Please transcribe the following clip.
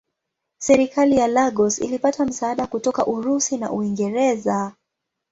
Serikali ya Lagos ilipata msaada kutoka Urusi na Uingereza.